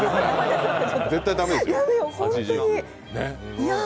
絶対駄目ですよ！